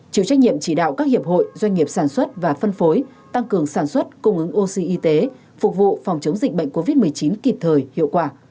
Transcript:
chịu trách nhiệm chỉ đạo các hiệp hội doanh nghiệp sản xuất và phân phối tăng cường sản xuất cung ứng oxy y tế phục vụ phòng chống dịch bệnh covid một mươi chín kịp thời hiệu quả